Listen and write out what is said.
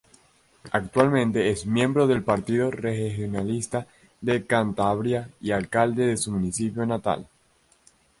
Actualmente es miembro del Partido Regionalista de Cantabria y alcalde de su municipio natal.